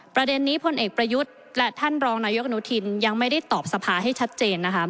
ประเด็นนี้พลเอกประยุทธ์และท่านรองนายกอนุทินยังไม่ได้ตอบสภาให้ชัดเจนนะคะ